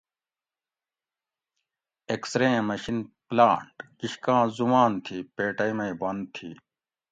ایکسرے ایں مشین (پلانٹ) کشکاں زمان تھی پیٹئی مئی بند تھی